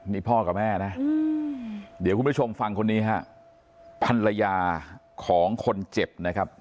นี่พ่อกับแม่นะเดี๋ยวคุณผู้ชมฟังคนนี้ฮะภรรยาของคนเจ็บนะครับ